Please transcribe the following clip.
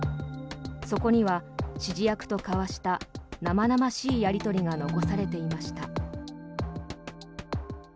そこには指示役と交わした生々しいやり取りが残されていました。